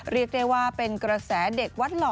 เรียกได้ว่าเป็นกระแสเด็กวัดหล่อ